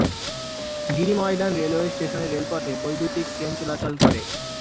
গিরি ময়দান রেলওয়ে স্টেশনের রেলপথে বৈদ্যুতীক ট্রেন চলাচল করে।